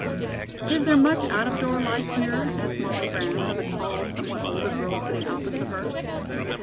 "Is there much out of door life here?" asked Molly Brown, of a tall, somewhat older girl sitting opposite her.